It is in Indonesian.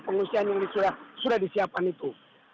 pengungsian yang sudah disiapkan itu